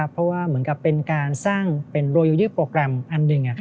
เพราะว่าเหมือนกับเป็นการสร้างเป็นโรยูยืดโปรแกรมอันหนึ่ง